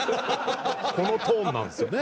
このトーンなんですよね。